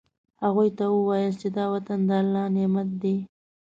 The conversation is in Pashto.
هغوی ته ووایاست چې دا وطن د الله نعمت دی.